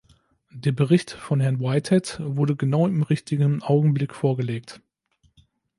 Der Bericht von Herrn Whitehead wurde genau im richtigen Augenblick vorgelegt.